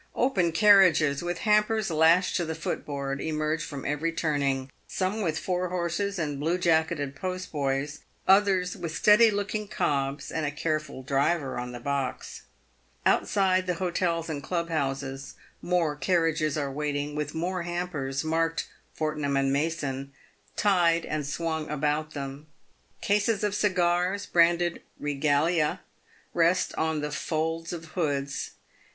Open carriages, with hampers lashed to the footboard, emerge from every turning, some with four horses and blue jacketed postboys, others with steady looking cobs and a careful driver on the box. Outside the hotels and club houses more carriages are waiting, with more hampers, marked " Fortnum and Mason," tied and swung about them. Cases of cigars, branded "Regalia," rest on the folds of hoods.